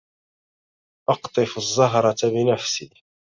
أقطف الزهرة بنفسي.